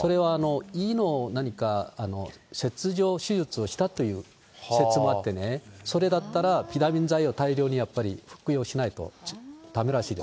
それは胃の何か切除手術をしたという説もあってね、それだったら、ビタミン剤を大量にやっぱり服用しないとだめらしいです。